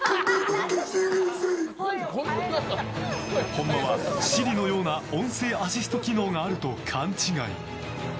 本間はｓｉｒｉのような音声アシスト機能があると勘違い。